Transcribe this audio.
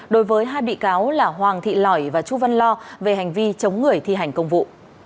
đối với hai bị cáo là hoàng thị lỏi và chu văn lo về hành vi chống người thi hành công vụ